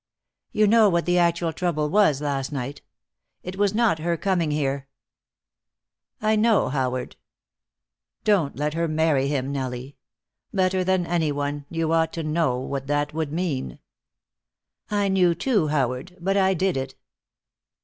"You know what the actual trouble was last night? It was not her coming here." "I know, Howard." "Don't let her marry him, Nellie! Better than any one, you ought to know what that would mean." "I knew too, Howard, but I did it."